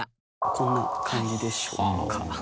こんな感じでしょうか。